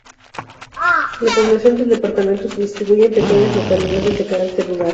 La población del departamento se distribuye en pequeñas localidades de carácter rural.